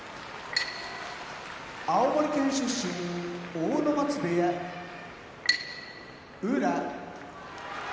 青森県出身阿武松部屋宇良